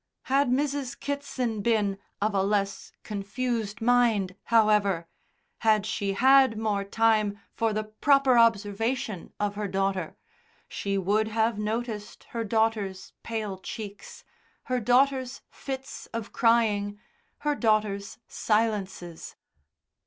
Had Mrs. Kitson been of a less confused mind, however, had she had more time for the proper observation of her daughter, she would have noticed her daughter's pale cheeks, her daughter's fits of crying, her daughter's silences.